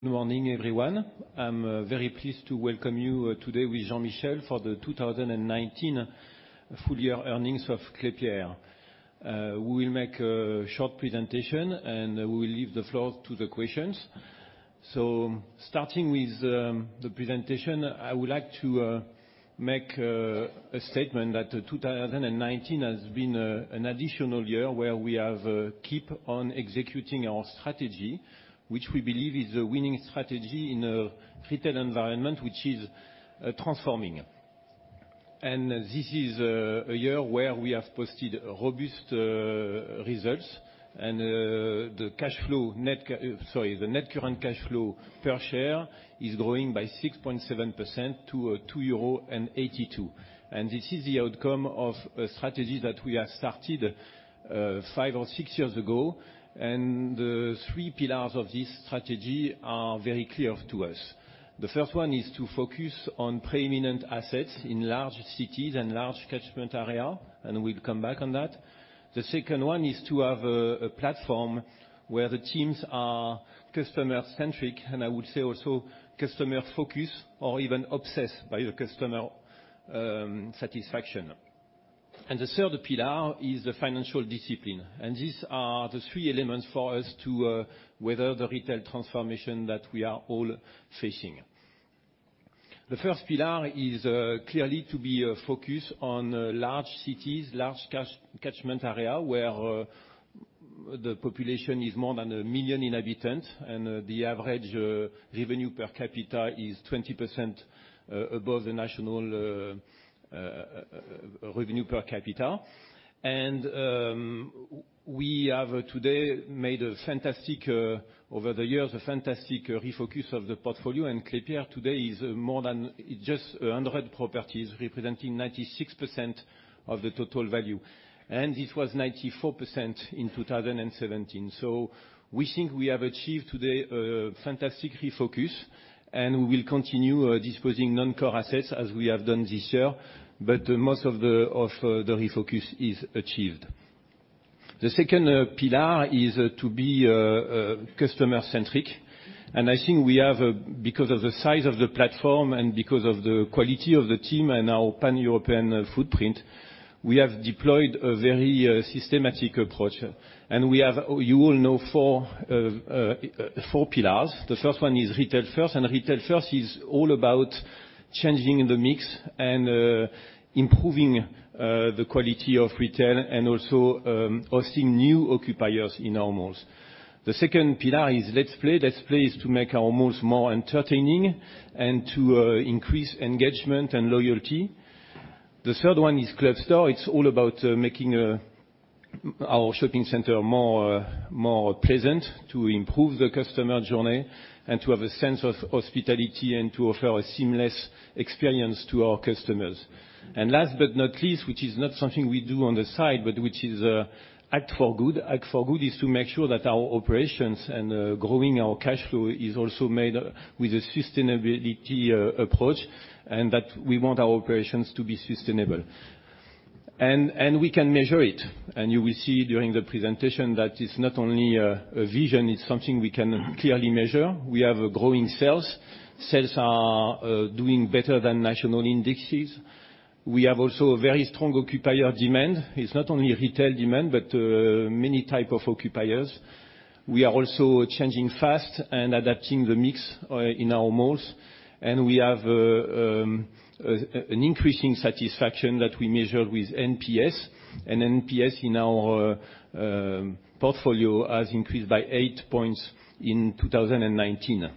Good morning, everyone. I'm very pleased to welcome you today with Jean-Michel for the 2019 full-year earnings of Klépierre. We will make a short presentation, and we will leave the floor to the questions. Starting with the presentation, I would like to make a statement that 2019 has been an additional year where we have keep on executing our strategy, which we believe is a winning strategy in a retail environment, which is transforming. This is a year where we have posted robust results and the net current cash flow per share is growing by 6.7% to 2.82 euro. This is the outcome of a strategy that we have started five or six years ago, and the three pillars of this strategy are very clear to us. The first one is to focus on pre-eminent assets in large cities and large catchment area, and we'll come back on that. The second one is to have a platform where the teams are customer-centric, and I would say also customer-focused or even obsessed by the customer satisfaction. The third pillar is the financial discipline. These are the three elements for us to weather the retail transformation that we are all facing. The first pillar is clearly to be focused on large cities, large catchment area, where the population is more than a million inhabitants, and the average revenue per capita is 20% above the national revenue per capita. We have today, over the years, a fantastic refocus of the portfolio, and Klépierre today is more than just 100 properties, representing 96% of the total value. It was 94% in 2017. We think we have achieved today a fantastic refocus, and we will continue disposing non-core assets as we have done this year. Most of the refocus is achieved. The second pillar is to be customer-centric. I think, because of the size of the platform and because of the quality of the team and our pan-European footprint, we have deployed a very systematic approach. You all know four pillars. The first one is Retail First, and Retail First is all about changing the mix and improving the quality of retail and also hosting new occupiers in our malls. The second pillar is Let's Play. Let's Play is to make our malls more entertaining and to increase engagement and loyalty. The third one is Clubstore. It's all about making our shopping center more pleasant, to improve the customer journey, and to have a sense of hospitality and to offer a seamless experience to our customers. Last but not least, which is not something we do on the side, but which is Act for Good. Act for Good is to make sure that our operations and growing our cash flow is also made with a sustainability approach, that we want our operations to be sustainable. We can measure it. You will see during the presentation that it's not only a vision, it's something we can clearly measure. We have growing sales. Sales are doing better than national indexes. We have also a very strong occupier demand. It's not only retail demand, but many type of occupiers. We are also changing fast and adapting the mix in our malls. We have an increasing satisfaction that we measure with NPS. NPS in our portfolio has increased by eight points in 2019.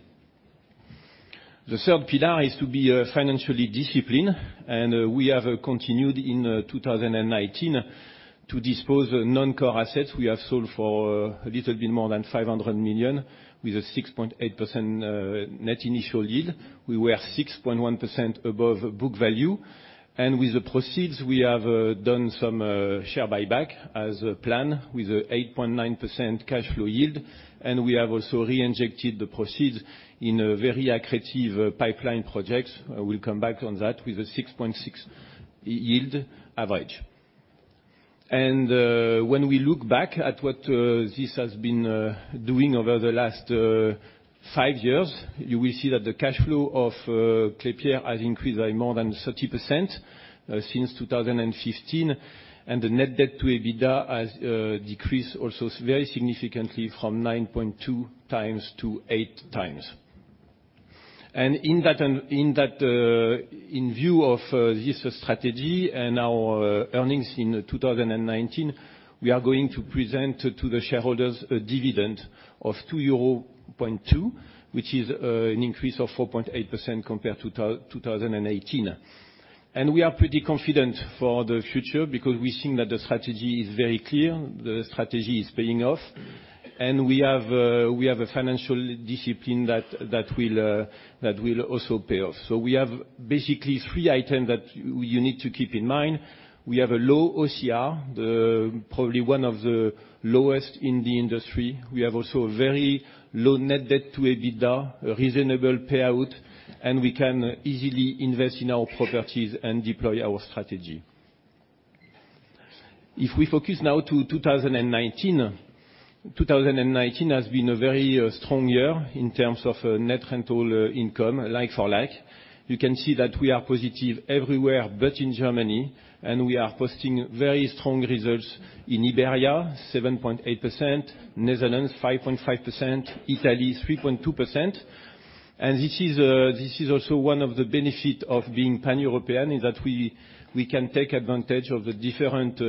The third pillar is to be financially discipline. We have continued in 2019 to dispose non-core assets. We have sold for a little bit more than 500 million with a 6.8% net initial yield. We were 6.1% above book value. With the proceeds, we have done some share buyback as planned with a 8.9% cash flow yield. We have also reinjected the proceeds in very accretive pipeline projects, we'll come back on that, with a 6.6% yield average. When we look back at what this has been doing over the last five years, you will see that the cash flow of Klépierre has increased by more than 30% since 2015. The net debt to EBITDA has decreased also very significantly from 9.2x to 8x. In view of this strategy and our earnings in 2019, we are going to present to the shareholders a dividend of 2.2 euros, which is an increase of 4.8% compared to 2018. We are pretty confident for the future because we think that the strategy is very clear, the strategy is paying off, and we have a financial discipline that will also pay off. We have basically three items that you need to keep in mind. We have a low OCR, probably one of the lowest in the industry. We have also a very low net debt to EBITDA, a reasonable payout, and we can easily invest in our properties and deploy our strategy. If we focus now to 2019 has been a very strong year in terms of net rental income, like-for-like. You can see that we are positive everywhere but in Germany. We are posting very strong results in Iberia, 7.8%, Netherlands 5.5%, Italy 3.2%. This is also one of the benefit of being Pan-European, is that we can take advantage of the different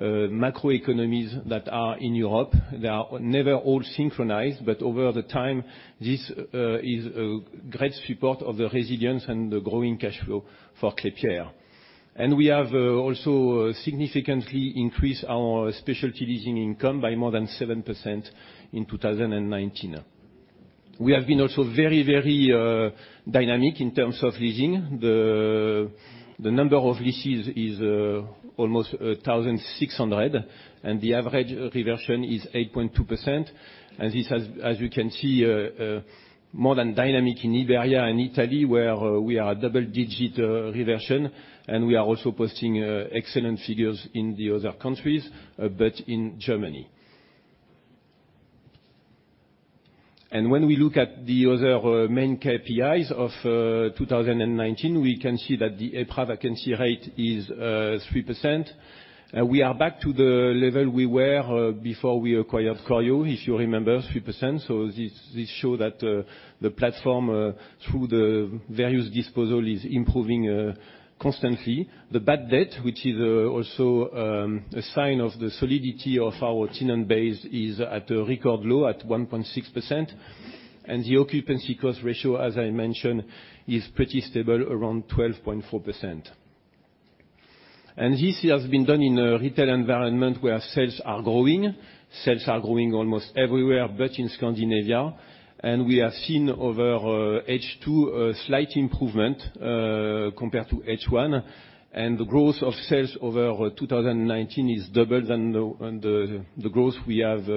macroeconomies that are in Europe. They are never all synchronized. Over the time, this is a great support of the resilience and the growing cash flow for Klépierre. We have also significantly increased our specialty leasing income by more than 7% in 2019. We have been also very dynamic in terms of leasing. The number of leases is almost 1,600, and the average reversion is 8.2%. This has, as you can see, more than dynamic in Iberia and Italy, where we are double-digit reversion, and we are also posting excellent figures in the other countries, but in Germany. When we look at the other main KPIs of 2019, we can see that the EPRA vacancy rate is 3%. We are back to the level we were before we acquired Corio, if you remember, 3%. So this shows that the platform through the various disposal is improving constantly. The bad debt, which is also a sign of the solidity of our tenant base, is at a record low at 1.6%, and the occupancy cost ratio, as I mentioned, is pretty stable around 12.4%. This has been done in a retail environment where sales are growing. Sales are growing almost everywhere but in Scandinavia. We have seen over H2 a slight improvement compared to H1, and the growth of sales over 2019 is double than the growth we have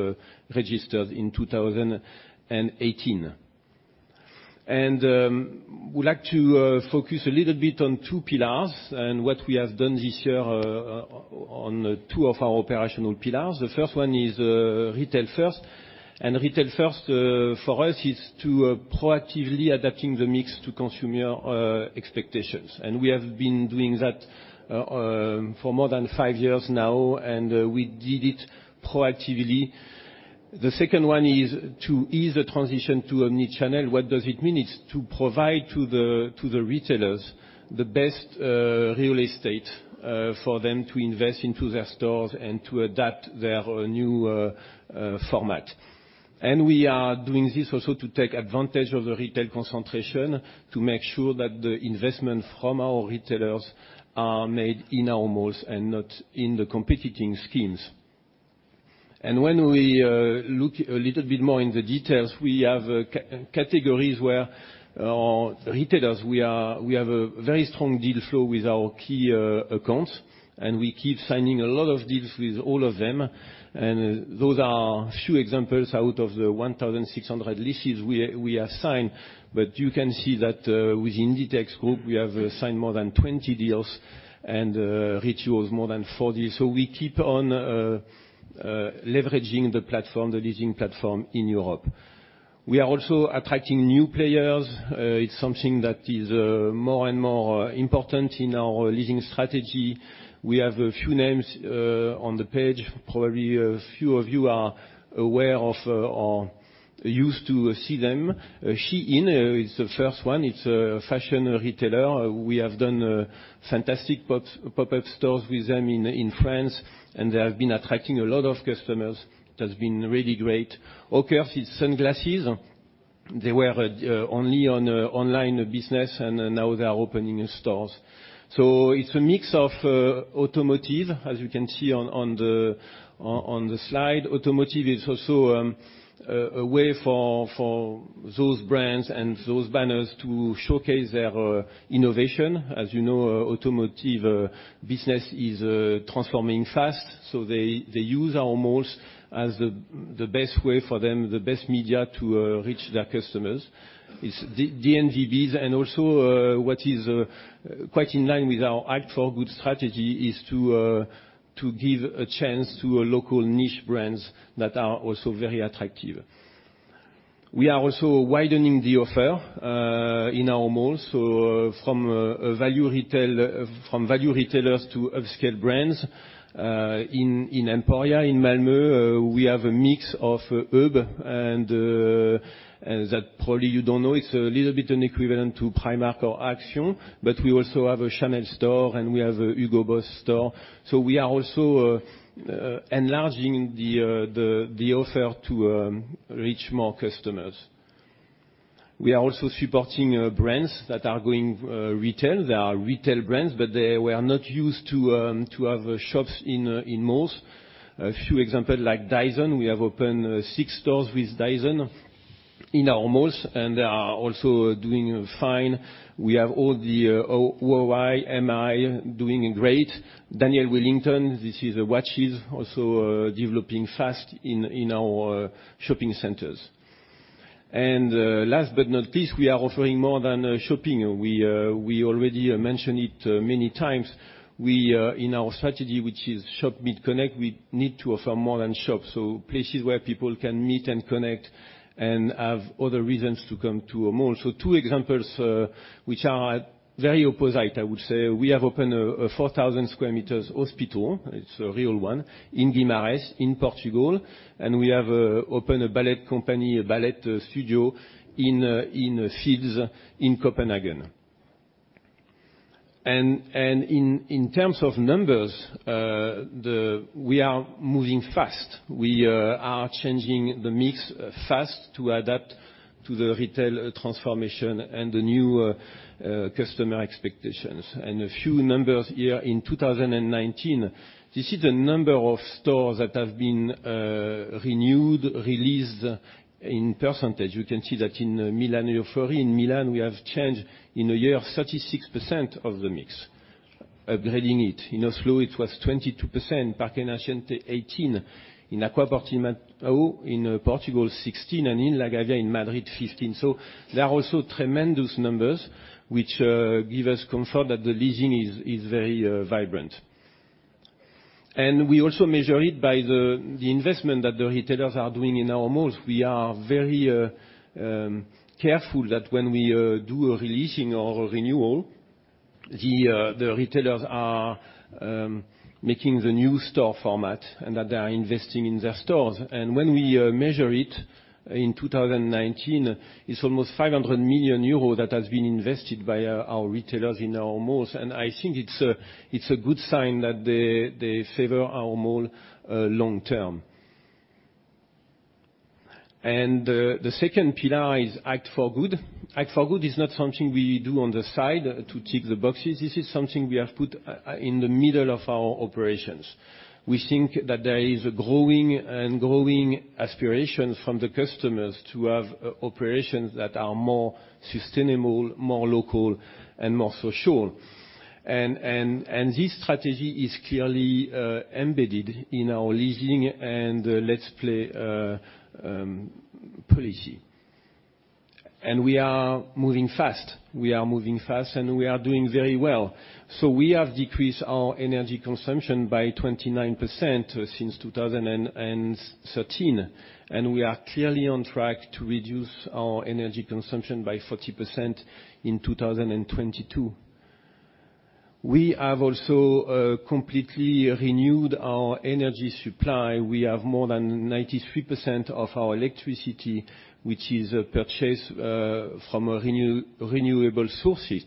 registered in 2018. Would like to focus a little bit on two pillars and what we have done this year on two of our operational pillars. The first one is Retail First. Retail First for us is to proactively adapting the mix to consumer expectations. We have been doing that for more than five years now, and we did it proactively. The second one is to ease the transition to omnichannel. What does it mean? It's to provide to the retailers the best real estate for them to invest into their stores and to adapt their new format. We are doing this also to take advantage of the retail concentration to make sure that the investment from our retailers are made in our malls and not in the competing schemes. When we look a little bit more in the details, we have categories where our retailers, we have a very strong deal flow with our key accounts, and we keep signing a lot of deals with all of them. Those are a few examples out of the 1,600 leases we have signed. You can see that with Inditex group, we have signed more than 20 deals and Rituals more than 40. We keep on leveraging the platform, the leasing platform in Europe. We are also attracting new players. It's something that is more and more important in our leasing strategy. We have a few names on the page. Probably a few of you are aware of or used to see them. Shein is the first one. It's a fashion retailer. We have done fantastic pop-up stores with them in France, and they have been attracting a lot of customers. It has been really great. Oakley is sunglasses. They were only an online business, and now they are opening stores. It's a mix of automotive, as you can see on the slide. Automotive is also a way for those brands and those banners to showcase their innovation. As you know, automotive business is transforming fast, so they use our malls as the best way for them, the best media to reach their customers. It's DNVBs and also what is quite in line with our Act for Good strategy is to give a chance to local niche brands that are also very attractive. We are also widening the offer in our malls from value retailers to upscale brands. In Emporia, in Malmö, we have a mix of URB, and that probably you don't know, it's a little bit an equivalent to Primark or Action, but we also have a Chanel store, and we have a Hugo Boss store. We are also enlarging the offer to reach more customers. We are also supporting brands that are going retail. They are retail brands, but they were not used to have shops in malls. A few example, like Dyson, we have opened six stores with Dyson in our malls, and they are also doing fine. We have all the OUI, AM:AI doing great. Daniel Wellington, this is watches, also developing fast in our shopping centers. Last but not least, we are offering more than shopping. We already mentioned it many times. In our strategy, which is shop, meet, connect, we need to offer more than shop. places where people can meet and connect and have other reasons to come to a mall. Two examples, which are very opposite, I would say. We have opened a 4,000 sq m hospital. It's a real one. In Guimarães, in Portugal. We have opened a ballet company, a ballet studio in Field's in Copenhagen. In terms of numbers, we are moving fast. We are changing the mix fast to adapt to the retail transformation and the new customer expectations. A few numbers here in 2019. This is the number of stores that have been renewed, re-leased in percentage. You can see that in Milanofiori, in Milan, we have changed in a year 36% of the mix, upgrading it. In Oslo, it was 22%, Parque Nascente 18%, in Aqua Portimão in Portugal 16%, and in La Gavia in Madrid 15%. They are also tremendous numbers, which give us comfort that the leasing is very vibrant. We also measure it by the investment that the retailers are doing in our malls. We are very careful that when we do a releasing or a renewal, the retailers are making the new store format, and that they are investing in their stores. When we measure it in 2019, it's almost 500 million euros that has been invested by our retailers in our malls. I think it's a good sign that they favor our mall long term. The second pillar is Act for Good. Act for Good is not something we do on the side to tick the boxes. This is something we have put in the middle of our operations. We think that there is a growing aspiration from the customers to have operations that are more sustainable, more local, and more social. This strategy is clearly embedded in our leasing and Let's Play policy. We are moving fast. We are moving fast, and we are doing very well. We have decreased our energy consumption by 29% since 2013, and we are clearly on track to reduce our energy consumption by 40% in 2022. We have also completely renewed our energy supply. We have more than 93% of our electricity, which is purchased from renewable sources.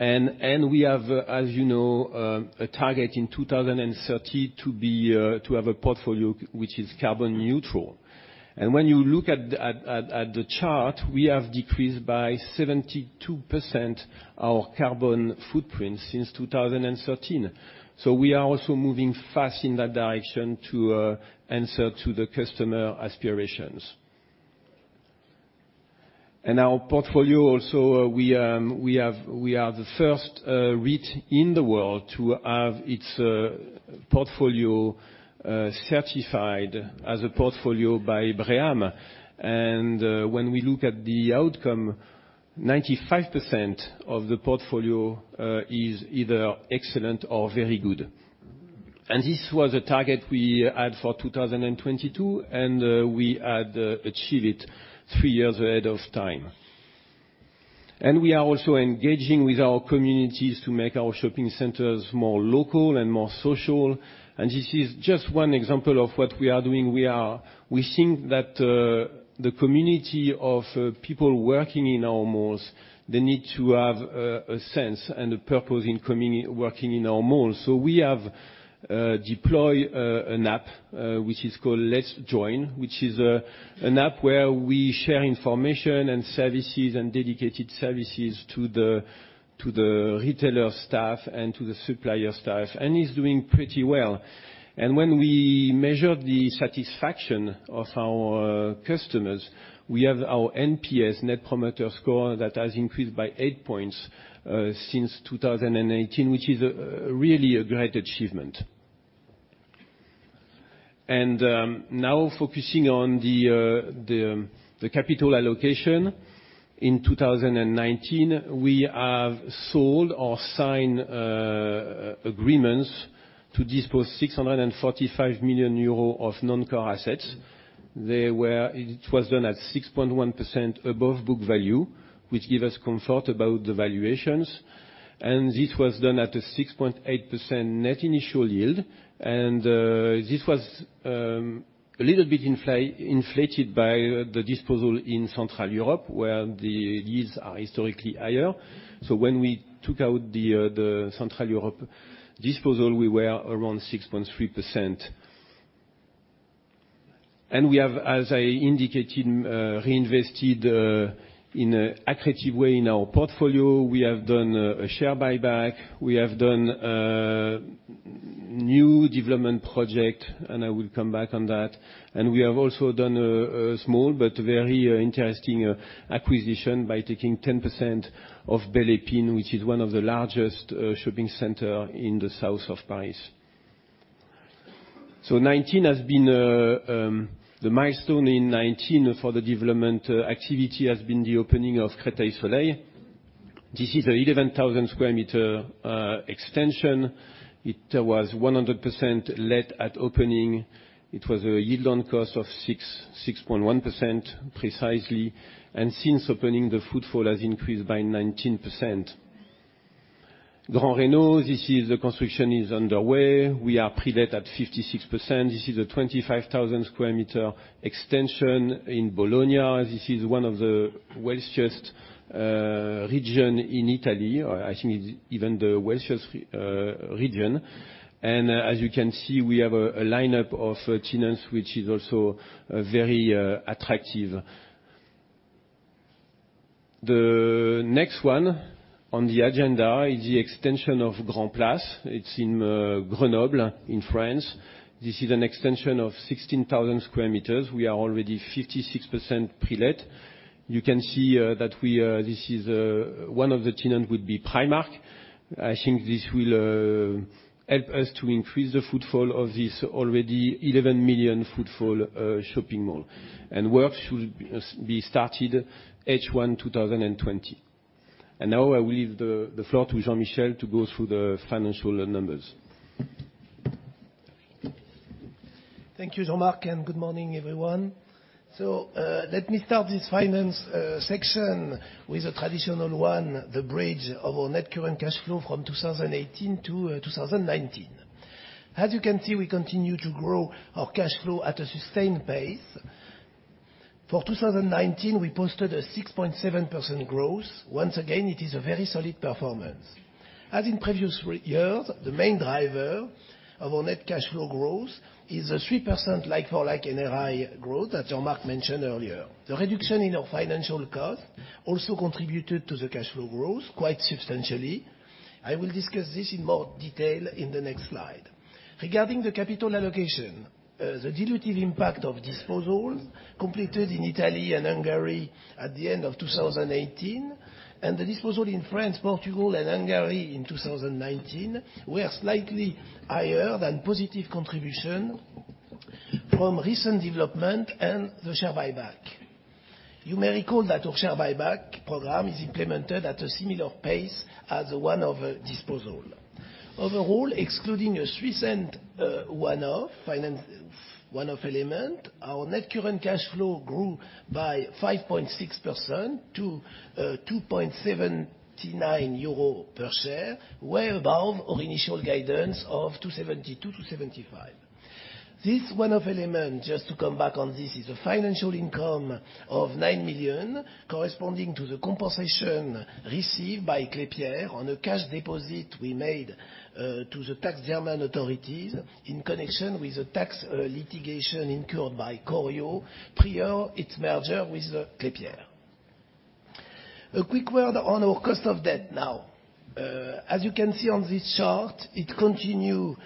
We have, as you know, a target in 2030 to have a portfolio which is carbon neutral. When you look at the chart, we have decreased by 72% our carbon footprint since 2013. We are also moving fast in that direction to answer to the customer aspirations. Our portfolio, also, we are the first REIT in the world to have its portfolio certified as a portfolio by BREEAM. When we look at the outcome, 95% of the portfolio is either excellent or very good. This was a target we had for 2022, and we had achieved it three years ahead of time. We are also engaging with our communities to make our shopping centers more local and more social. This is just one example of what we are doing. We think that the community of people working in our malls, they need to have a sense and a purpose in working in our malls. We have deployed an app, which is called Let's Join, which is an app where we share information and services and dedicated services to the retailer staff and to the supplier staff, and it's doing pretty well. When we measure the satisfaction of our customers, we have our NPS, Net Promoter Score, that has increased by eight points since 2018, which is really a great achievement. Now focusing on the capital allocation. In 2019, we have sold or signed agreements to dispose 645 million euro of non-core assets. It was done at 6.1% above book value, which give us comfort about the valuations. This was done at a 6.8% net initial yield. This was a little bit inflated by the disposal in Central Europe, where the yields are historically higher. When we took out the Central Europe disposal, we were around 6.3%. We have, as I indicated, reinvested in an accretive way in our portfolio. We have done a share buyback. We have done a new development project, and I will come back on that. We have also done a small but very interesting acquisition by taking 10% of Belle Épine, which is one of the largest shopping center in the south of Paris. 2019 has been the milestone in 2019 for the development activity has been the opening of Créteil Soleil. This is an 11,000 sq m extension. It was 100% let at opening. It was a yield on cost of 6.1% precisely. Since opening, the footfall has increased by 19%. Gran Reno, the construction is underway. We are pre-let at 56%. This is a 25,000 sq m extension in Bologna. This is one of the wealthiest region in Italy. I think it's even the wealthiest region. As you can see, we have a lineup of tenants, which is also very attractive. The next one on the agenda is the extension of Grand Place. It's in Grenoble in France. This is an extension of 16,000 sq m. We are already 56% pre-let. You can see that one of the tenant would be Primark. I think this will help us to increase the footfall of this already 11 million footfall shopping mall. Work should be started H1 2020. Now I will leave the floor to Jean-Michel to go through the financial numbers. Thank you, Jean-Marc, and good morning everyone. Let me start this finance section with a traditional one, the bridge of our net current cash flow from 2018 to 2019. As you can see, we continue to grow our cash flow at a sustained pace. For 2019, we posted a 6.7% growth. Once again, it is a very solid performance. As in previous years, the main driver of our net cash flow growth is a 3% like-for-like NRI growth that Jean-Marc mentioned earlier. The reduction in our financial cost also contributed to the cash flow growth quite substantially. I will discuss this in more detail in the next slide. Regarding the capital allocation, the dilutive impact of disposals completed in Italy and Hungary at the end of 2018 and the disposal in France, Portugal, and Hungary in 2019, were slightly higher than positive contribution from recent development and the share buyback. You may recall that our share buyback program is implemented at a similar pace as one of disposal. Overall, excluding a recent one-off element, our net current cash flow grew by 5.6% to 2.79 euro per share, way above our initial guidance of 2.72-2.75. This one-off element, just to come back on this, is a financial income of 9 million corresponding to the compensation received by Klépierre on a cash deposit we made to the tax German authorities in connection with the tax litigation incurred by Corio prior its merger with Klépierre. A quick word on our cost of debt now. As you can see on this chart, it continue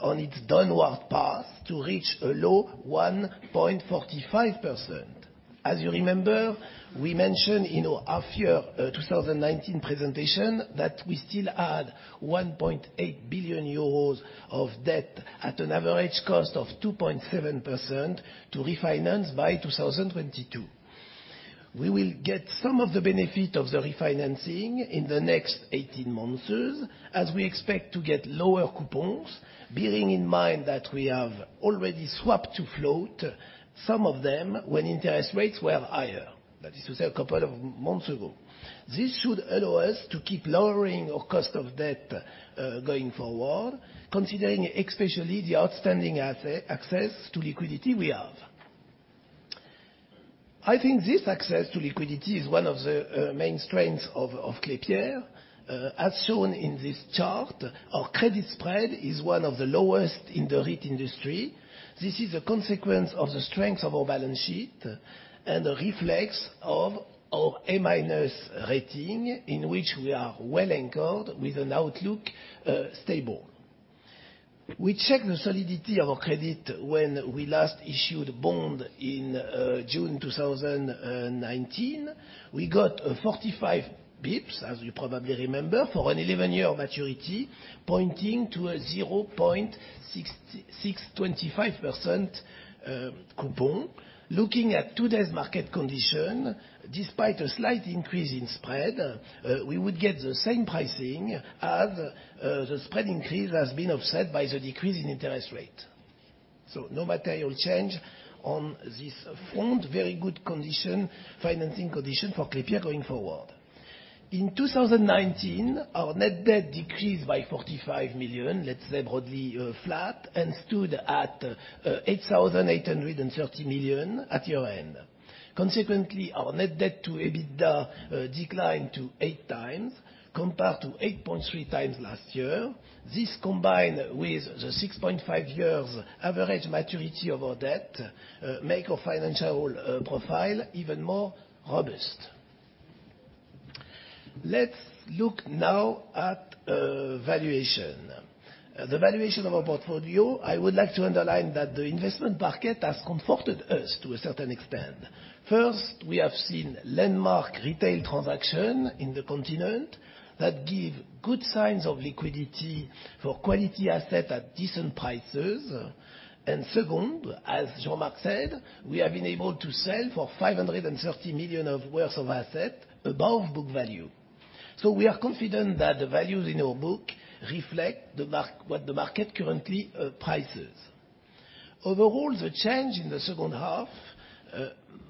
on its downward path to reach a low 1.45%. As you remember, we mentioned in our half year 2019 presentation that we still had 1.8 billion euros of debt at an average cost of 2.7% to refinance by 2022. We will get some of the benefit of the refinancing in the next 18 months, as we expect to get lower coupons, bearing in mind that we have already swapped to float some of them when interest rates were higher. That is to say, a couple of months ago. This should allow us to keep lowering our cost of debt, going forward, considering especially the outstanding access to liquidity we have. I think this access to liquidity is one of the main strengths of Klépierre. As shown in this chart, our credit spread is one of the lowest in the REIT industry. This is a consequence of the strength of our balance sheet and a reflex of our A- rating, in which we are well anchored with an outlook stable. We checked the solidity of our credit when we last issued bond in June 2019. We got a 45 basis points, as you probably remember, for an 11-year maturity, pointing to a 0.625% coupon. Looking at today's market condition, despite a slight increase in spread, we would get the same pricing as the spread increase has been offset by the decrease in interest rate. No material change on this front. Very good financing condition for Klépierre going forward. In 2019, our net debt decreased by 45 million, let's say broadly flat, and stood at 8,830 million at year-end. Consequently, our net debt to EBITDA declined to eight times, compared to 8.3x last year. This, combined with the 6.5 years average maturity of our debt, make our financial profile even more robust. Let's look now at valuation. The valuation of our portfolio, I would like to underline that the investment market has comforted us to a certain extent. First, we have seen landmark retail transaction in the continent that give good signs of liquidity for quality asset at decent prices. Second, as Jean-Marc said, we have been able to sell for 530 million of worth of asset above book value. We are confident that the values in our book reflect what the market currently prices. Overall, the change in the second half,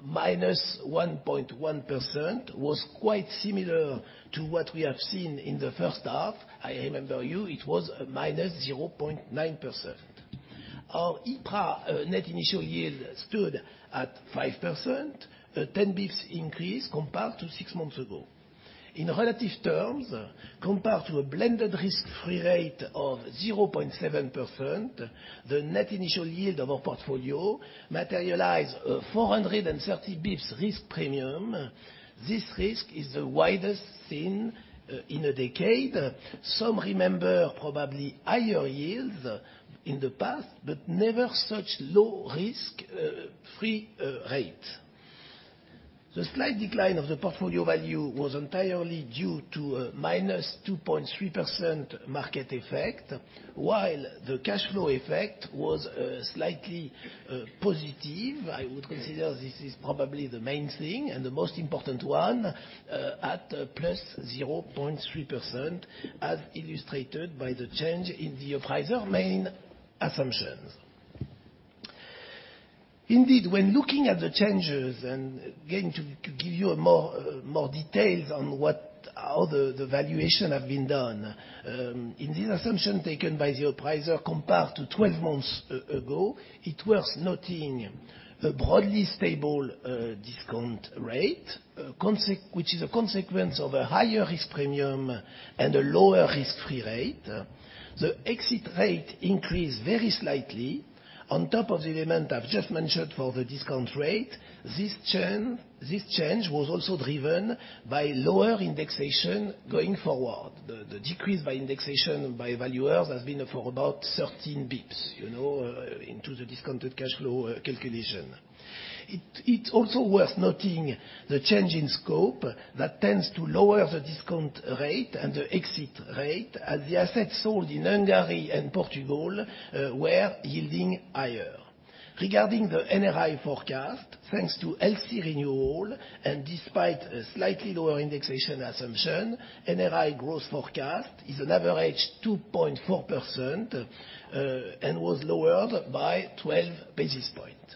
-1.1%, was quite similar to what we have seen in the first half. I remember you, it was a -0.9%. Our EPRA net initial yield stood at 5%, a 10 basis points increase compared to six months ago. In relative terms, compared to a blended risk-free rate of 0.7%, the net initial yield of our portfolio materializes 430 basis points risk premium. This risk is the widest seen in a decade. Some remember probably higher yields in the past, but never such low risk-free rate. The slight decline of the portfolio value was entirely due to a -2.3% market effect, while the cash flow effect was slightly positive. I would consider this is probably the main thing and the most important one, at +0.3%, as illustrated by the change in the appraiser main assumptions. When looking at the changes and getting to give you more details on how the valuation have been done, in this assumption taken by the appraiser compared to 12 months ago, it was noting a broadly stable discount rate, which is a consequence of a higher risk premium and a lower risk-free rate. The exit rate increased very slightly. On top of the element I've just mentioned for the discount rate, this change was also driven by lower indexation going forward. The decrease by indexation by valuers has been for about 13 basis points into the discounted cash flow calculation. It's also worth noting the change in scope that tends to lower the discount rate and the exit rate as the assets sold in Hungary and Portugal were yielding higher. Regarding the NRI forecast, thanks to healthy renewal and despite a slightly lower indexation assumption, NRI growth forecast is an average 2.4% and was lowered by 12 basis points.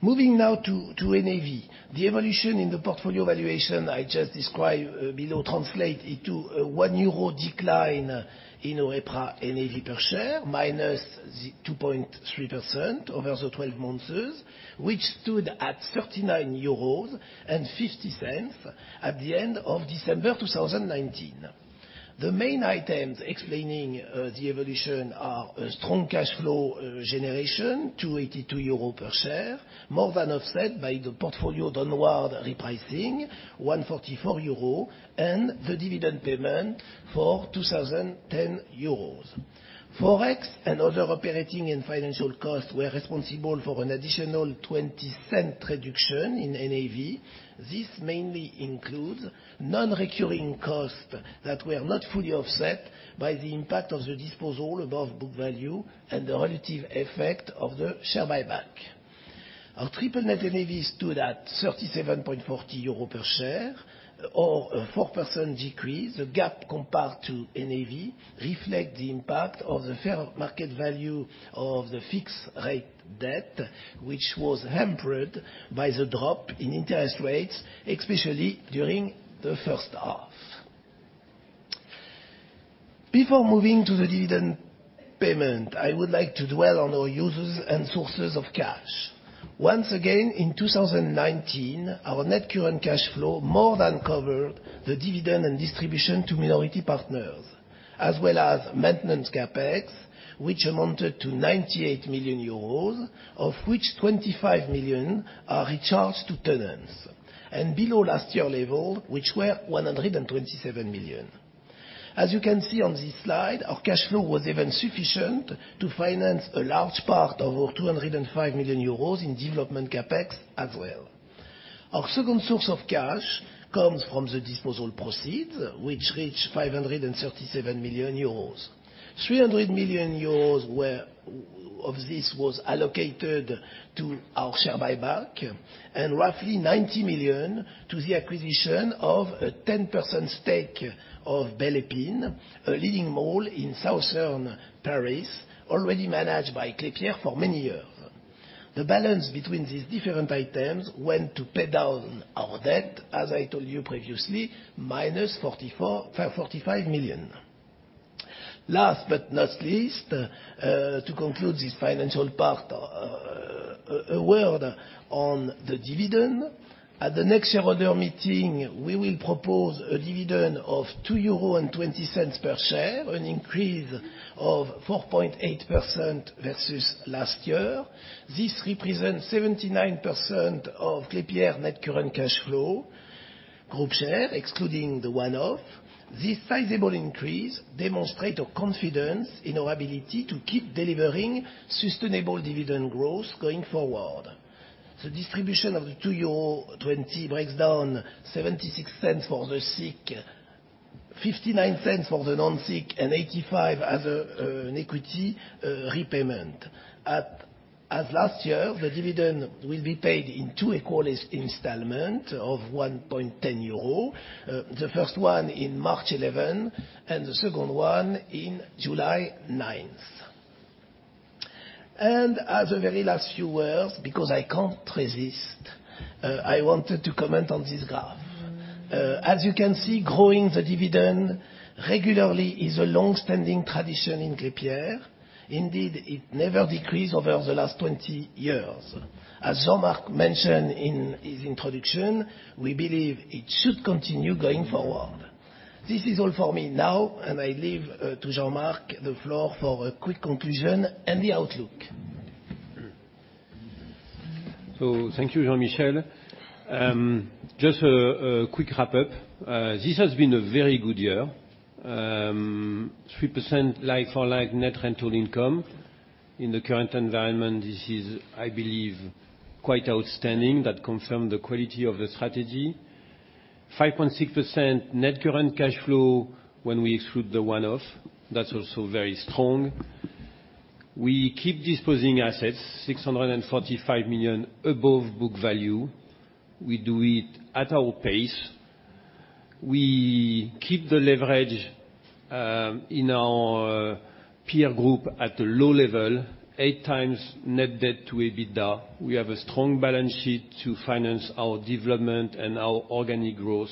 Moving now to NAV. The evolution in the portfolio valuation I just described below translates into a 1 euro decline in our EPRA NAV per share, -2.3% over the 12 months, which stood at 39.50 euros at the end of December 2019. The main items explaining the evolution are a strong cash flow generation, 282 euro per share, more than offset by the portfolio downward repricing, 144 euro, and the dividend payment for 2.10 euros. Forex and other operating and financial costs were responsible for an additional 0.20 reduction in NAV. This mainly includes non-recurring costs that were not fully offset by the impact of the disposal above book value and the relative effect of the share buyback. Our triple net NAV stood at 37.40 euros per share or 4% decrease. The gap compared to NAV reflect the impact of the fair market value of the fixed rate debt, which was hampered by the drop in interest rates, especially during the first half. Before moving to the dividend payment, I would like to dwell on our uses and sources of cash. Once again, in 2019, our net current cash flow more than covered the dividend and distribution to minority partners, as well as maintenance CapEx, which amounted to 98 million euros, of which 25 million are recharged to tenants, below last year level, which were 127 million. As you can see on this slide, our cash flow was even sufficient to finance a large part of our 205 million euros in development CapEx as well. Our second source of cash comes from the disposal proceeds, which reached 537 million euros. 300 million euros of this was allocated to our share buyback and roughly 90 million to the acquisition of a 10% stake of Belle Épine, a leading mall in southern Paris, already managed by Klépierre for many years. The balance between these different items went to pay down our debt, as I told you previously, -45 million. Last but not least, to conclude this financial part, a word on the dividend. At the next shareholder meeting, we will propose a dividend of 2.20 euro per share, an increase of 4.8% versus last year. This represents 79% of Klépierre net current cash flow. Group share, excluding the one-off. This sizable increase demonstrate our confidence in our ability to keep delivering sustainable dividend growth going forward. The distribution of the 2.20 euro breaks down 0.59 for the SIIC, and 0.85 as an equity repayment. As last year, the dividend will be paid in two equal installment of 1.10 euro, the first one in March 11, and the second one in July 9th. As a very last few words, because I can't resist, I wanted to comment on this graph. As you can see, growing the dividend regularly is a longstanding tradition in Klépierre. Indeed, it never decreased over the last 20 years. As Jean-Marc mentioned in his introduction, we believe it should continue going forward. This is all for me now, and I leave to Jean-Marc the floor for a quick conclusion and the outlook. Thank you, Jean-Michel. Just a quick wrap-up. This has been a very good year, 3% like-for-like net rental income. In the current environment, this is, I believe, quite outstanding. That confirmed the quality of the strategy. 5.6% net cash flow when we exclude the one-off. That's also very strong. We keep disposing assets, 645 million above book value. We do it at our pace. We keep the leverage in our peer group at a low level, 8x net debt to EBITDA. We have a strong balance sheet to finance our development and our organic growth,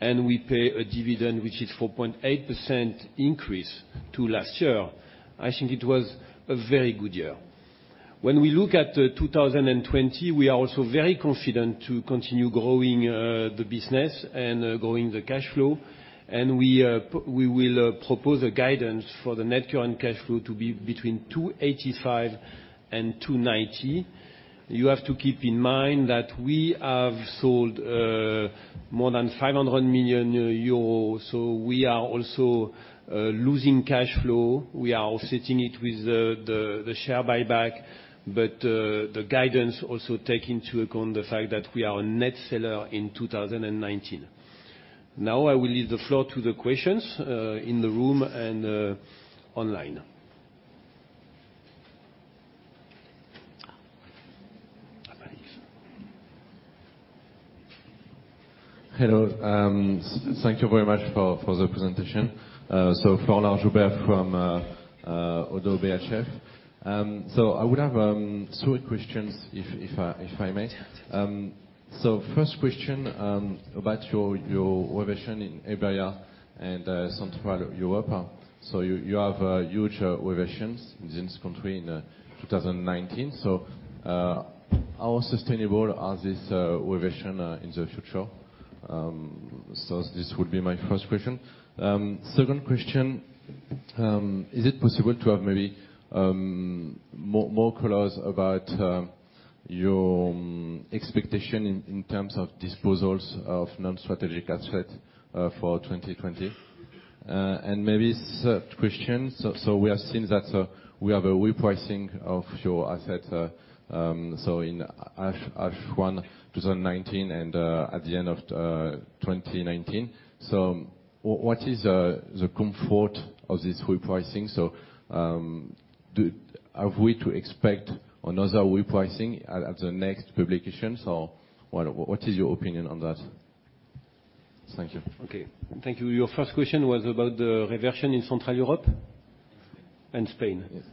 and we pay a dividend, which is 4.8% increase to last year. I think it was a very good year. When we look at 2020, we are also very confident to continue growing the business and growing the cash flow. We will propose a guidance for the net current cash flow to be between 285 and 290. You have to keep in mind that we have sold more than 500 million euros, we are also losing cash flow. We are offsetting it with the share buyback, the guidance also take into account the fact that we are a net seller in 2019. Now I will leave the floor to the questions, in the room and online. Hello. Thank you very much for the presentation. Florent Joubert from Oddo BHF. I would have three questions, if I may. First question, about your reversion in Iberia and Central Europe. You have huge reversions in this country in 2019. How sustainable are this reversion in the future? This would be my first question. Second question, is it possible to have maybe more colors about your expectation in terms of disposals of non-strategic asset for 2020? Maybe third question, we have seen that we have a repricing of your asset, in half one 2019 and at the end of 2019. What is the comfort of this repricing? Have we to expect another repricing at the next publication? What is your opinion on that? Thank you. Okay. Thank you. Your first question was about the reversion in Central Europe and Spain? Yes.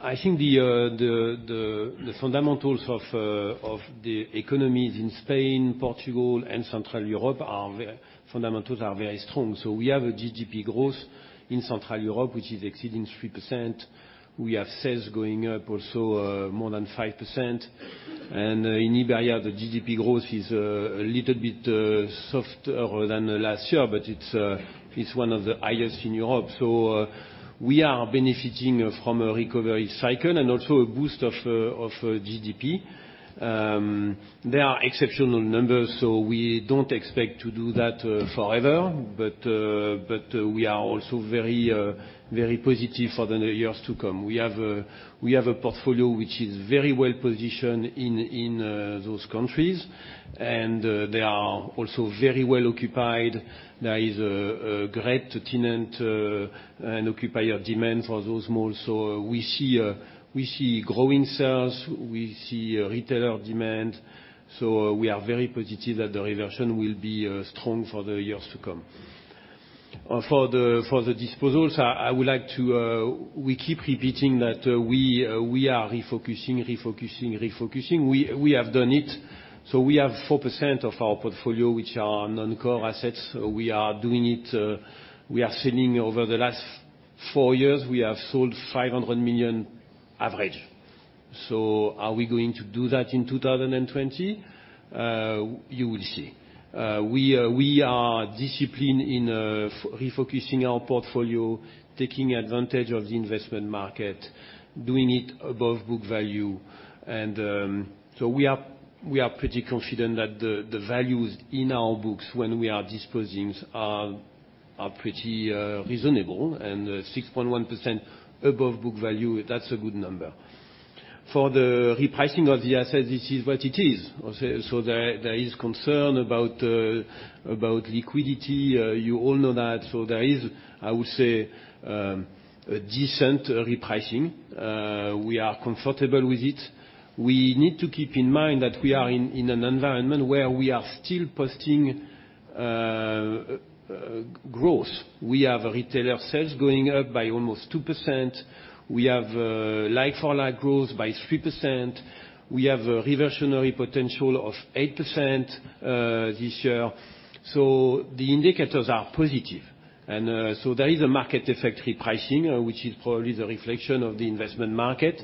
I think the fundamentals of the economies in Spain, Portugal, and Central Europe are very strong. We have a GDP growth in Central Europe, which is exceeding 3%. We have sales going up also more than 5%. In Iberia, the GDP growth is a little bit softer than last year, but it's one of the highest in Europe. We are benefiting from a recovery cycle and also a boost of GDP. They are exceptional numbers, so we don't expect to do that forever. We are also very positive for the years to come. We have a portfolio which is very well-positioned in those countries, and they are also very well occupied. There is a great tenant and occupier demand for those malls. We see growing sales, we see retailer demand, we are very positive that the reversion will be strong for the years to come. For the disposals, we keep repeating that we are refocusing. We have done it. We have 4% of our portfolio which are non-core assets, we are doing it. We are selling over the last four years, we have sold 500 million average. Are we going to do that in 2020? You will see. We are disciplined in refocusing our portfolio, taking advantage of the investment market, doing it above book value. We are pretty confident that the values in our books when we are disposing are pretty reasonable. 6.1% above book value, that's a good number. For the repricing of the assets, it is what it is. There is concern about liquidity. You all know that. There is, I would say, a decent repricing. We are comfortable with it. We need to keep in mind that we are in an environment where we are still posting growth. We have retailer sales going up by almost 2%. We have like-for-like growth by 3%. We have a reversionary potential of 8% this year. The indicators are positive. There is a market effect repricing, which is probably the reflection of the investment market.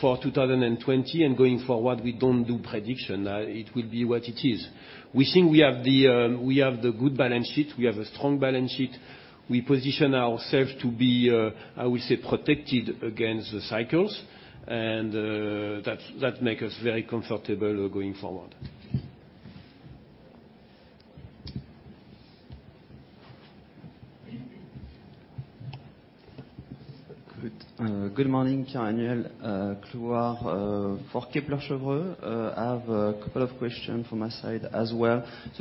For 2020 and going forward, we don't do prediction. It will be what it is. We think we have the good balance sheet. We have a strong balance sheet. We position ourselves to be, I would say, protected against the cycles and that make us very comfortable going forward. Good morning. Pierre-Emmanuel Clouard, for Kepler Cheuvreux.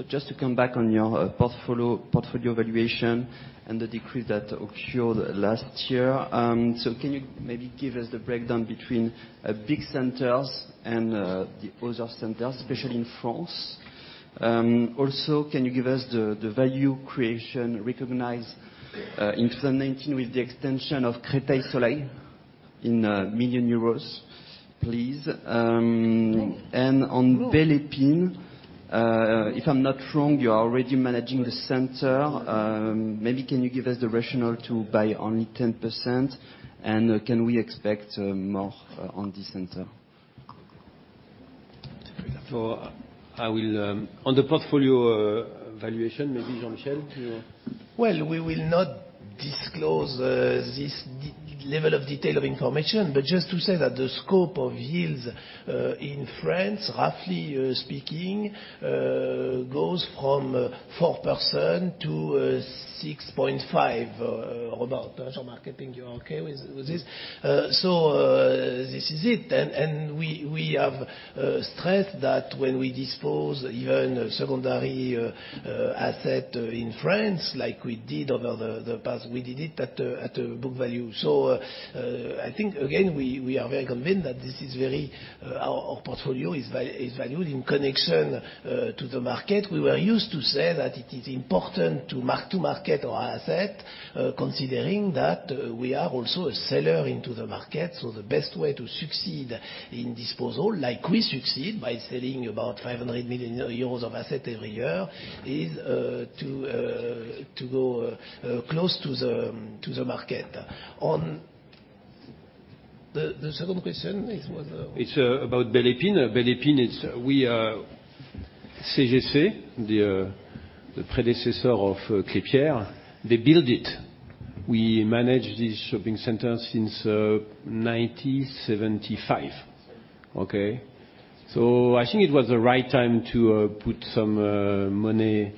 Just to come back on your portfolio valuation and the decrease that occurred last year. Can you maybe give us the breakdown between big centers and the other centers, especially in France? Also, can you give us the value creation recognized in 2019 with the extension of Créteil Soleil in million EUR, please? On Belle Épine, if I'm not wrong, you are already managing the center. Maybe can you give us the rationale to buy only 10% and can we expect more on this center? I will on the portfolio valuation, maybe Jean-Michel to We will not disclose this level of detail of information, but just to say that the scope of yields in France, roughly speaking, goes from 4% to 6.5%, about. Jean-Marc, I think you're okay with this? This is it. We have stressed that when we dispose even secondary asset in France like we did over the past, we did it at book value. I think again, we are very convinced that our portfolio is valued in connection to the market. We were used to say that it is important to mark to market our asset, considering that we are also a seller into the market. The best way to succeed in disposal, like we succeed by selling about 500 million euros of asset every year, is to go close to the market. On the second question. It's about Belle Épine. CGC, the predecessor of Klépierre, they build it. We manage this shopping center since 1975. Okay. I think it was the right time to put some money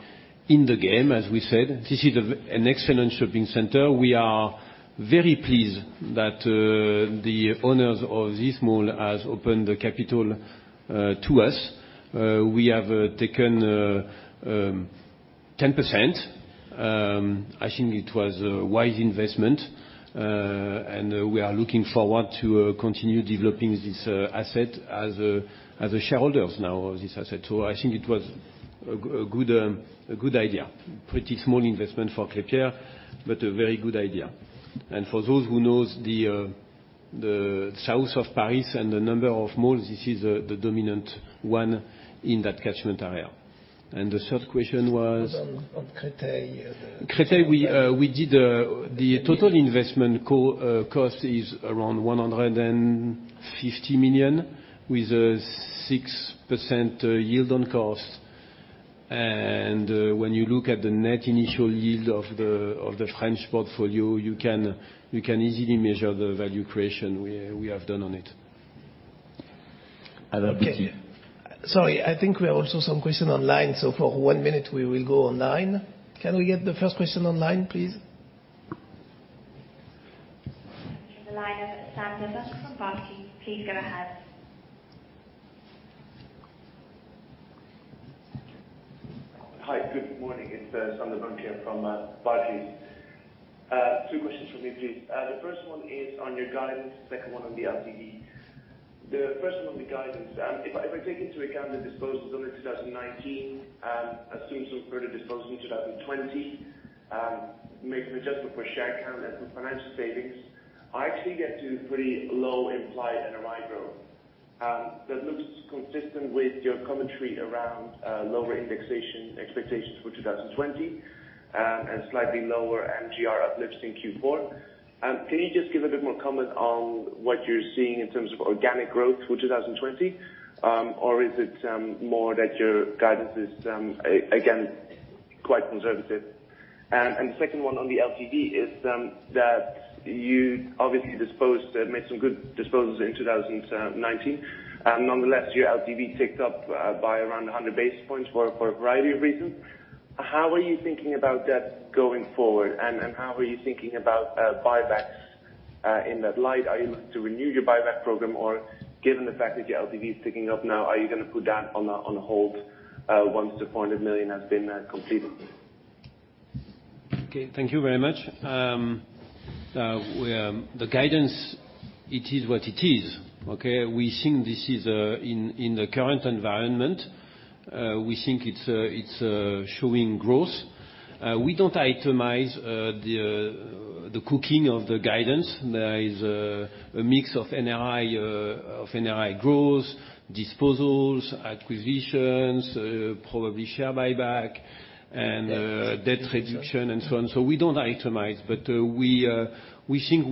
in the game. As we said, this is an excellent shopping center. We are very pleased that the owners of this mall has opened the capital to us. We have taken 10%. I think it was a wise investment, and we are looking forward to continue developing this asset as a shareholder now of this asset. I think it was a good idea. Pretty small investment for Klépierre, but a very good idea. For those who knows the south of Paris and the number of malls, this is the dominant one in that catchment area. The third question was. On Créteil Créteil, we did, the total investment cost is around 150 million with a 6% yield on cost. When you look at the net initial yield of the French portfolio, you can easily measure the value creation we have done on it. Sorry, I think we have also some question online. For one minute we will go online. Can we get the first question online, please? From the line-up, it's Sander Bunck from Barclays. Please go ahead. Hi. Good morning. It's Sander Bunck from Barclays. Two questions from me, please. The first one is on your guidance, second one on the LTV. The first one on the guidance. If I take into account the disposals done in 2019, assume some further disposal in 2020, make an adjustment for share count and some financial savings, I actually get to pretty low implied NOI growth. That looks consistent with your commentary around lower indexation expectations for 2020, and slightly lower NGR uplifts in Q4. Can you just give a bit more comment on what you're seeing in terms of organic growth for 2020? Is it more that your guidance is, again, quite conservative? The second one on the LTV is that you obviously made some good disposals in 2019. Nonetheless, your LTV ticked up by around 100 basis points for a variety of reasons. How are you thinking about that going forward and how are you thinking about, buybacks in that light? Are you looking to renew your buyback program or given the fact that your LTV is ticking up now, are you going to put that on hold once the 400 million has been completed? Okay. Thank you very much. The guidance, it is what it is. In the current environment, we think it's showing growth. We don't itemize the cooking of the guidance. There is a mix of NRI growth, disposals, acquisitions, probably share buyback. Debt reduction debt reduction and so on. We don't itemize, but we think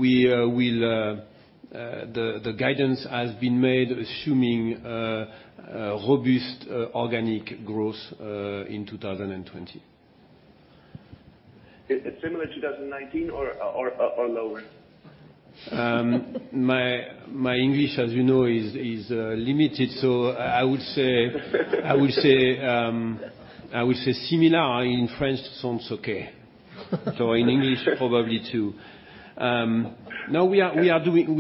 the guidance has been made assuming robust organic growth in 2020. Similar 2019 or lower? My English, as you know, is limited. I would say similar in French sounds okay. In English probably, too. No, we are doing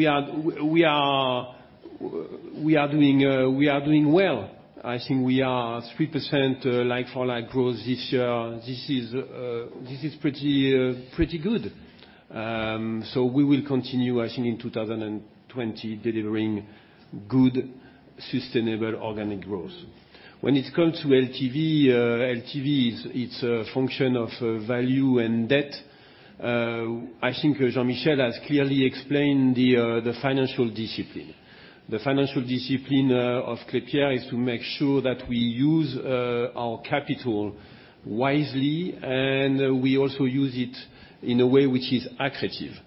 well. I think we are 3% like for like growth this year. This is pretty good. We will continue, I think, in 2020, delivering good, sustainable organic growth. When it comes to LTV it's a function of value and debt. I think Jean-Michel has clearly explained the financial discipline. The financial discipline of Klépierre is to make sure that we use our capital wisely, and we also use it in a way which is accretive.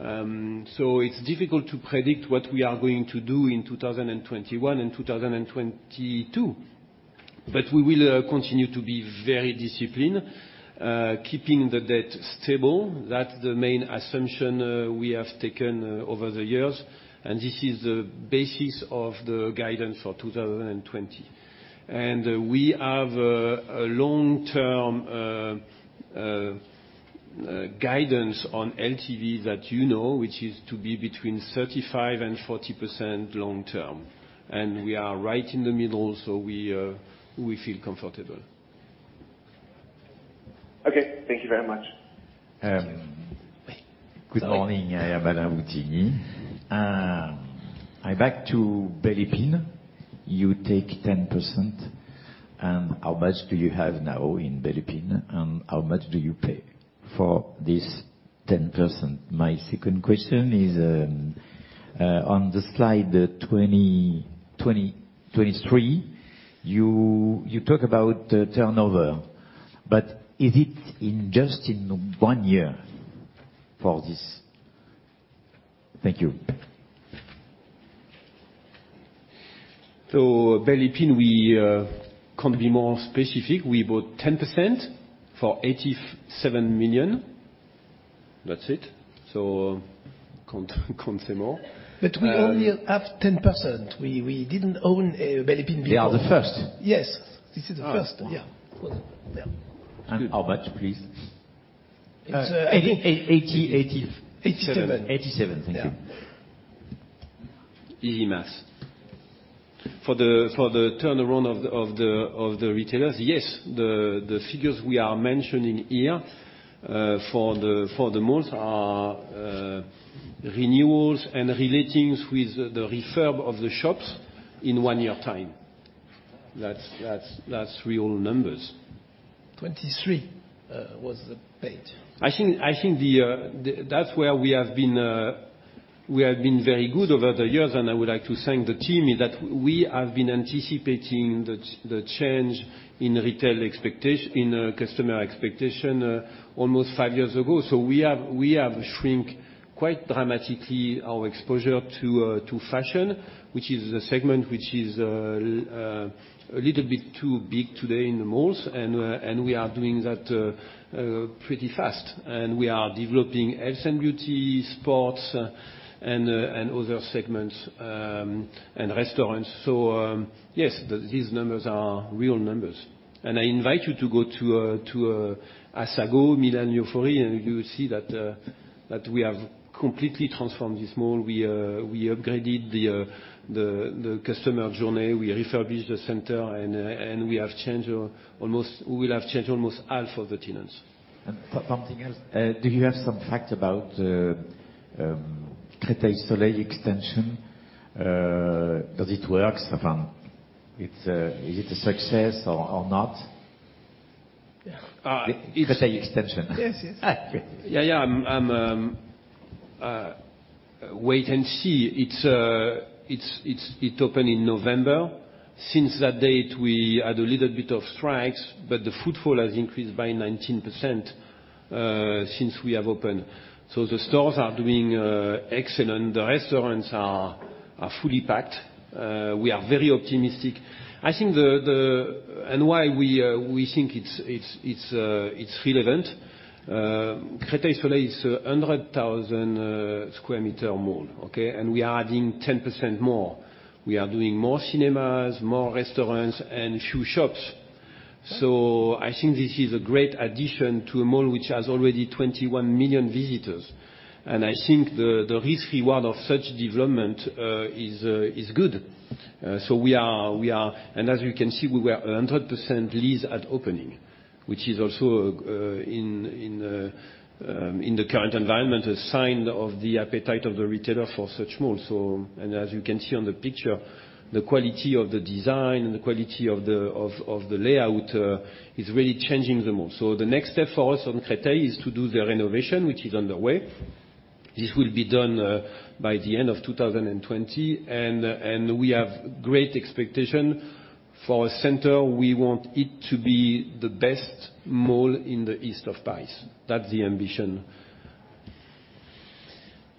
It's difficult to predict what we are going to do in 2021 and 2022. We will continue to be very disciplined, keeping the debt stable. That's the main assumption we have taken over the years, and this is the basis of the guidance for 2020. We have a long-term guidance on LTV that you know, which is to be between 35% and 40% long term. We are right in the middle, we feel comfortable. Okay. Thank you very much. Thank you. Good morning. I am Alain Boutigny. I'm back to Belle Épine. You take 10%, and how much do you have now in Belle Épine, and how much do you pay for this 10%? My second question is, on the slide 23, you talk about turnover, but is it in just in one year for this? Thank you. Belle Épine, we can't be more specific. We bought 10% for 87 million. That's it. Can't say more. We only have 10%. We didn't own Belle Épine before. We are the first. Yes. This is the first. Yeah. How much, please? It's, I think- 80 EUR 87 Million thank you. Easy math. For the turnaround of the retailers, yes, the figures we are mentioning here, for the most are renewals and re-lettings with the refurb of the shops in one year time. That's real numbers. 23 was the page. I think that's where we have been very good over the years, and I would like to thank the team, is that we have been anticipating the change in retail expectation, in customer expectation almost five years ago. We have shrink quite dramatically our exposure to fashion, which is the segment which is a little bit too big today in the malls, and we are doing that pretty fast. We are developing health and beauty, sports, and other segments, and restaurants. Yes, these numbers are real numbers. I invite you to go to Assago Milan Milanofiori, and you will see that we have completely transformed this mall. We upgraded the customer journey. We refurbished the center, and we will have changed almost half of the tenants. Something else. Do you have some fact about the Créteil Soleil extension? Does it work? Is it a success or not? Yeah. Créteil extension. Yes. Yeah. Wait and see. It opened in November. Since that date, we had a little bit of strikes, but the footfall has increased by 19%, since we have opened. The stores are doing excellent. The restaurants are fully packed. We are very optimistic. Why we think it's relevant. Créteil Soleil is 100,000 sq m mall. Okay. We are adding 10% more. We are doing more cinemas, more restaurants and few shops. I think this is a great addition to a mall which has already 21 million visitors. I think the risk reward of such development is good. As you can see, we were 100% leased at opening, which is also in the current environment, a sign of the appetite of the retailer for such malls. As you can see on the picture, the quality of the design and the quality of the layout, is really changing the mall. The next step for us on Créteil is to do the renovation, which is underway. This will be done by the end of 2020 and we have great expectation for a center, we want it to be the best mall in the east of Paris. That's the ambition.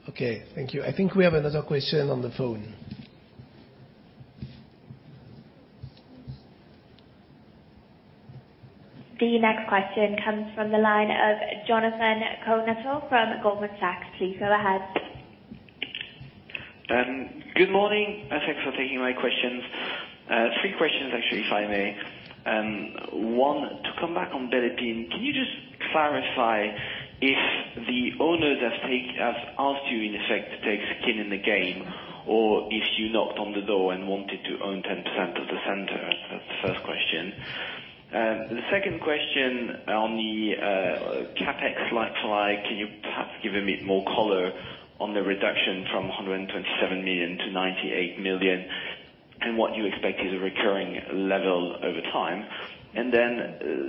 Okay, thank you. I think we have another question on the phone. The next question comes from the line of Jonathan Kownator from Goldman Sachs. Please go ahead. Good morning. Thanks for taking my questions. Three questions actually, if I may. One, to come back on Belle Épine, can you just clarify if the owner has asked you, in effect, to take skin in the game, or if you knocked on the door and wanted to own 10% of the center? That's the first question. The second question on the, CapEx like-to-like, can you perhaps give a bit more color on the reduction from 127 million to 98 million, and what you expect is a recurring level over time?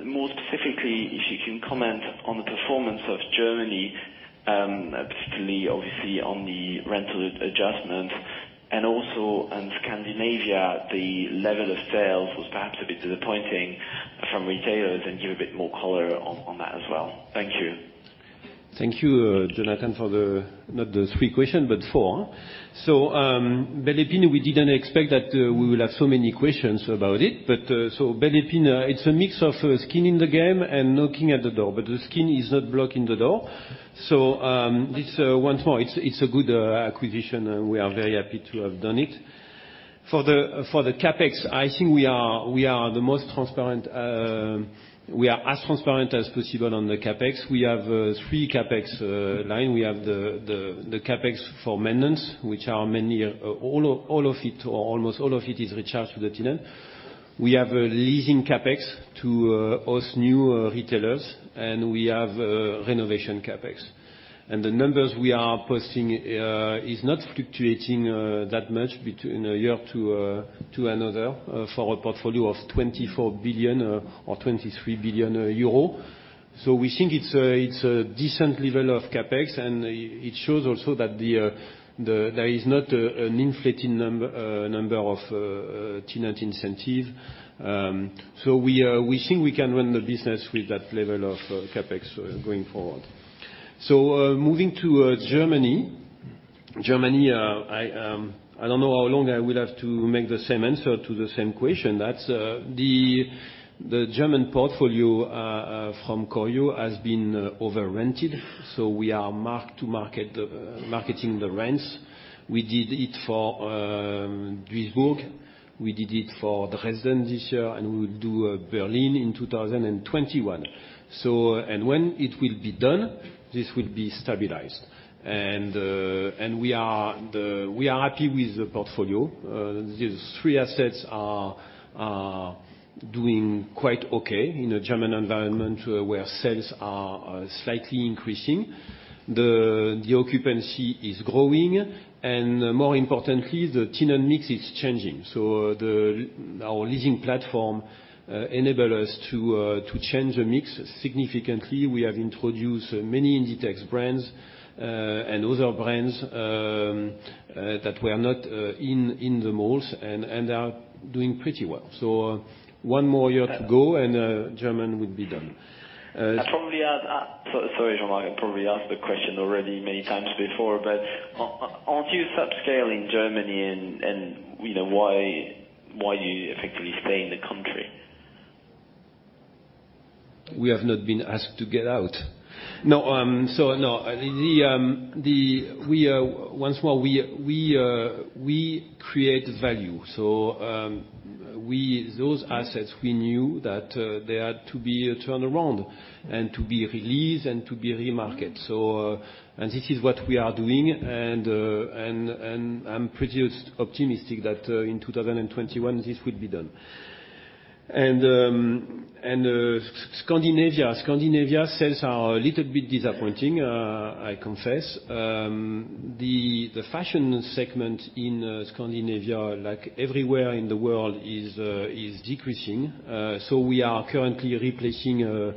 More specifically, if you can comment on the performance of Germany, particularly obviously on the rental adjustments and also on Scandinavia, the level of sales was perhaps a bit disappointing from retailers, and give a bit more color on that as well? Thank you. Thank you, Jonathan, for not the three question, but four. Belle Épine, we didn't expect that we will have so many questions about it, but, so Belle Épine, it's a mix of skin in the game and knocking at the door, but the skin is not blocking the door. Once more, it's a good acquisition. We are very happy to have done it. For the CapEx, I think we are as transparent as possible on the CapEx. We have three CapEx line. We have the CapEx for maintenance, which are mainly all of it, or almost all of it is recharged to the tenant. We have a leasing CapEx to host new retailers, and we have renovation CapEx. The numbers we are posting is not fluctuating that much between a year to another for a portfolio of 24 billion or 23 billion euro. We think it's a decent level of CapEx, and it shows also that there is not an inflated number of tenant incentive. We think we can run the business with that level of CapEx going forward. Moving to Germany. Germany, I don't know how long I will have to make the same answer to the same question. That's the German portfolio from Corio has been over-rented, so we are marketing the rents. We did it for Duisburg, we did it for Dresden this year, and we will do Berlin in 2021. When it will be done, this will be stabilized. We are happy with the portfolio. These three assets are doing quite okay in a German environment where sales are slightly increasing. The occupancy is growing and more importantly, the tenant mix is changing. Our leasing platform enable us to change the mix significantly. We have introduced many Inditex brands, and other brands that were not in the malls and are doing pretty well. One more year to go and German will be done. Sorry, Jean-Marc, I probably asked the question already many times before, but aren't you upscaling Germany and why you effectively stay in the country? We have not been asked to get out. No. Once more, we create value. Those assets, we knew that they had to be turned around and to be re-leased and to be re-marketed. This is what we are doing, and I'm pretty optimistic that in 2021, this will be done. Scandinavia, sales are a little bit disappointing, I confess. The fashion segment in Scandinavia, like everywhere in the world, is decreasing. We are currently replacing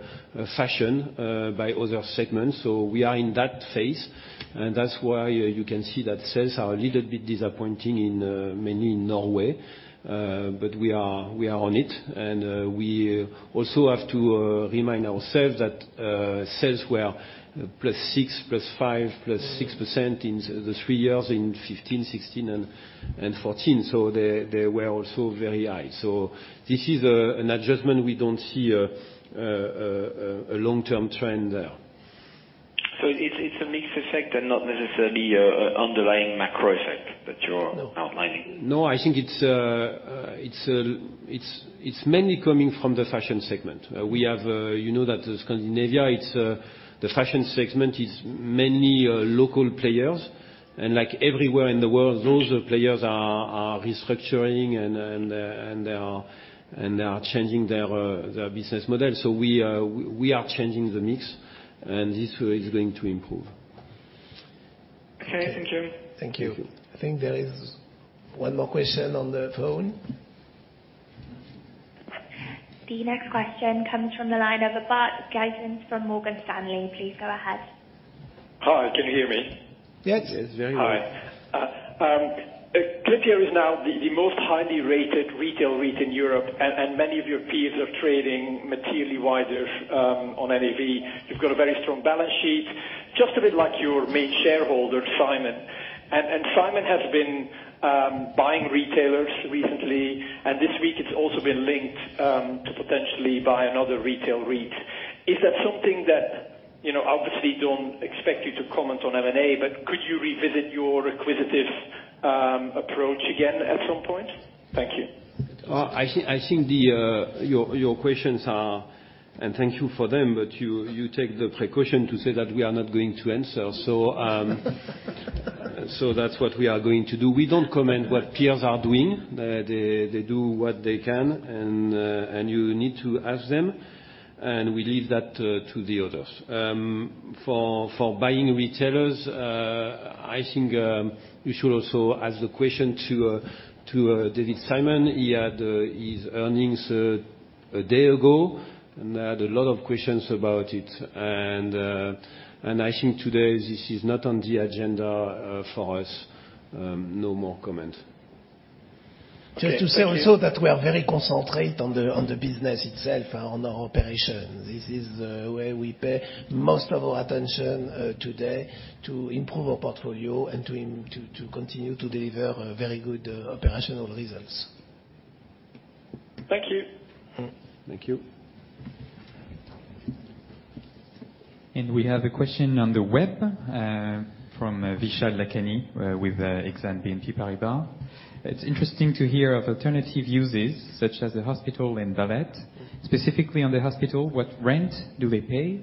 fashion by other segments. We are in that phase, and that's why you can see that sales are a little bit disappointing mainly in Norway. We are on it. We also have to remind ourselves that sales were +6%, +5%, +6% in the three years in 2015, 2016, and 2014. They were also very high. This is an adjustment. We don't see a long-term trend there. It's a mixed effect and not necessarily underlying macro effect that you're outlining? No, I think it's mainly coming from the fashion segment. You know that the Scandinavia, the fashion segment is mainly local players, and like everywhere in the world, those players are restructuring and they are changing their business model. We are changing the mix, and this is going to improve. Okay. Thank you. Thank you. I think there is one more question on the phone. The next question comes from the line of Bart Gysens from Morgan Stanley. Please go ahead. Hi. Can you hear me? Yes. Yes, very well. Hi. Klépierre is now the most highly rated retail REIT in Europe. Many of your peers are trading materially wider on NAV. You've got a very strong balance sheet, just a bit like your main shareholder, Simon. Simon has been buying retailers recently, and this week it's also been linked to potentially buy another retail REIT. Is that something that, obviously don't expect you to comment on M&A, but could you revisit your acquisitive approach again at some point? Thank you. I think your questions are, and thank you for them, but you take the precaution to say that we are not going to answer. That's what we are going to do. We don't comment what peers are doing. They do what they can, and you need to ask them, and we leave that to the others. For buying retailers, I think you should also ask the question to David Simon. He had his earnings a day ago and had a lot of questions about it. I think today, this is not on the agenda for us. No more comment. Just to say also that we are very concentrated on the business itself, on our operation. This is where we pay most of our attention today to improve our portfolio and to continue to deliver very good operational results. Thank you. Thank you. We have a question on the web from Vishal Lakhani with Exane BNP Paribas. It's interesting to hear of alternative uses such as the hospital in Guimarães. Specifically on the hospital, what rent do they pay,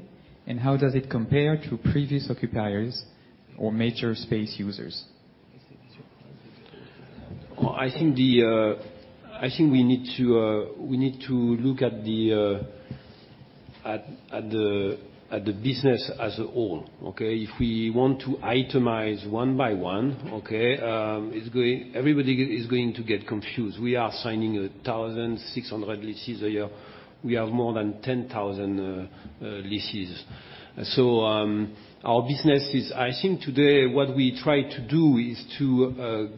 and how does it compare to previous occupiers or major space users? I think we need to look at the business as a whole. If we want to itemize one by one, everybody is going to get confused. We are signing 1,600 leases a year. We have more than 10,000 leases. What we try to do is to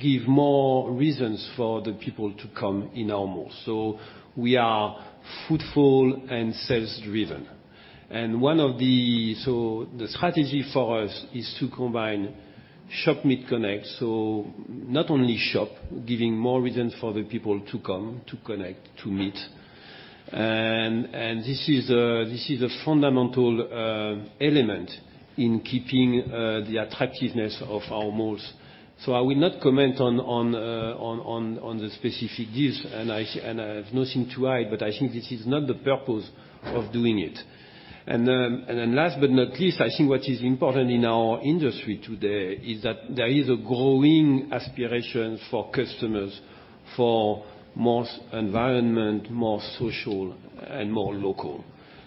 give more reasons for the people to come in our mall. We are footfall and sales driven. The strategy for us is to combine shop, meet, connect, so not only shop, giving more reasons for the people to come, to connect, to meet. This is a fundamental element in keeping the attractiveness of our malls. I will not comment on the specific deals, and I have nothing to hide, but I think this is not the purpose of doing it. Last but not least, I think what is important in our industry today is that there is a growing aspiration for customers for more environment, more social, and more local.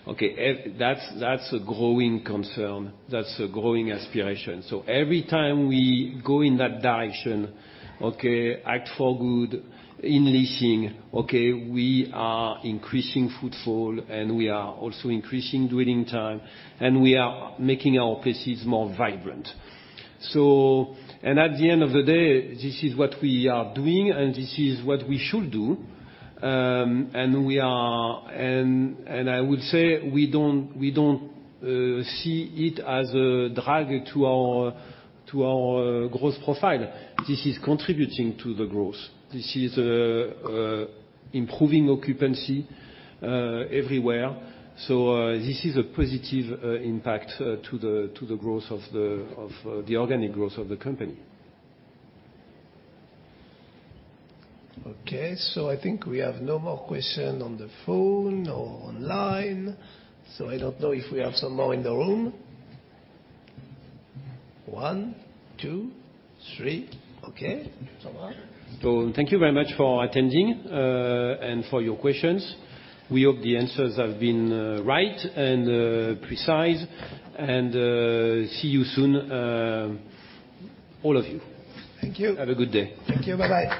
That's a growing concern. That's a growing aspiration. Every time we go in that direction, Act for Good in leasing. We are increasing footfall, and we are also increasing dwelling time, and we are making our places more vibrant. At the end of the day, this is what we are doing, and this is what we should do. I would say we don't see it as a drag to our growth profile. This is contributing to the growth. This is improving occupancy everywhere. This is a positive impact to the organic growth of the company. Okay. I think we have no more question on the phone or online. I don't know if we have some more in the room. One, two, three. Okay. Jean-Marc. Thank you very much for attending, and for your questions. We hope the answers have been right and precise and see you soon, all of you. Thank you. Have a good day. Thank you. Bye-bye.